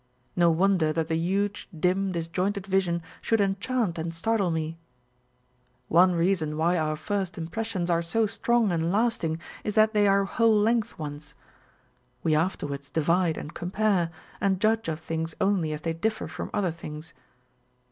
No wonder that the huge, dim, disjointed vision should enchant and startle me. One reason why our first impres sions are so strong and lasting is that they are tchole length ones. AVe afterwards divide and compare, and judge of things only as they differ from other things.